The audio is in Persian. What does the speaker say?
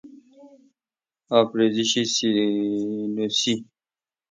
آبریزش سینوسی